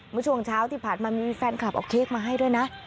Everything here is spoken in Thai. เมื่อช่วงเช้าที่ผ่านมามีแฟนคลับเอาเค้กมาให้ด้วยนะ